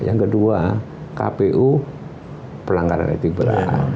yang kedua kpu pelanggaran etik berat